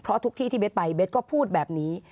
เพราะทุกที่ที่เบสไปเบสก็พูดแบบนี้